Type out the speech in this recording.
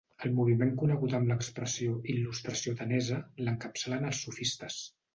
El moviment conegut amb l'expressió «Il·lustració atenesa» l'encapçalen els sofistes.